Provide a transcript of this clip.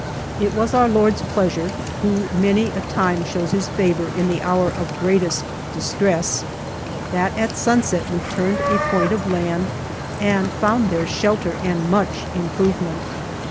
It was Our Lord's pleasure, who many a time shows His favor in the hour of greatest distress, that at sunset we turned a point of land and found there shelter and much improvement.